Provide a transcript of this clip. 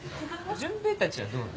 潤平たちはどうなの？